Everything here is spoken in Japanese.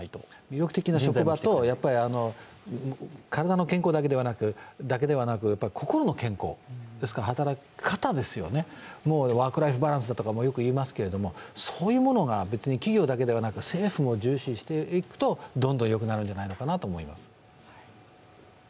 魅力的な職場と、体の健康だけでなく心の健康、働き方ですよね、ワークライフバランスとよく言いますけれども、そういうものが企業だけではなく政府も重視していくと、どんどんよくなるんじゃないかなと思います。